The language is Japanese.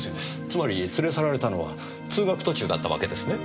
つまり連れ去られたのは通学途中だったわけですね？